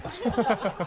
ハハハ